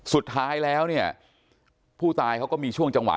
สุดท้ายแล้วเนี่ยผู้ตายเขาก็มีช่วงจังหวะ